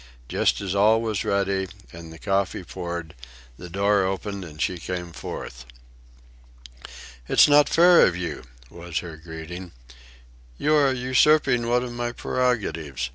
Just as all was ready and the coffee poured, the door opened and she came forth. "It's not fair of you," was her greeting. "You are usurping one of my prerogatives.